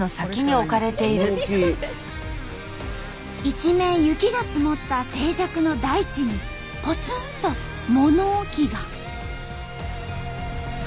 一面雪が積もった静寂の大地にぽつんと物置が。